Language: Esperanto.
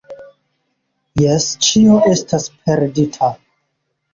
Jes, ĉio estas perdita.